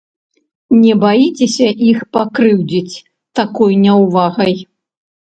Не баіцеся іх пакрыўдзіць такой няўвагай?